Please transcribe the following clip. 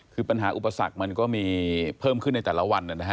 คือปัญหาอุปสรรคมันก็มีเพิ่มขึ้นในแต่ละวันนะฮะ